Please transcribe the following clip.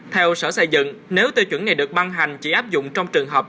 theo sở xây dựng nếu tiêu chuẩn này được ban hành chỉ áp dụng trong trường hợp